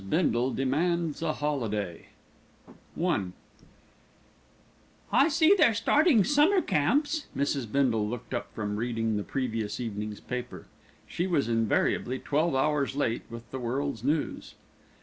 BINDLE DEMANDS A HOLIDAY I "I see they're starting summer camps." Mrs. Bindle looked up from reading the previous evening's paper. She was invariably twelve hours late with the world's news.